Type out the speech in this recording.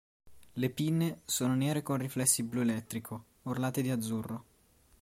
Le pinne sono nere con riflessi blu elettrico, orlate di azzurro.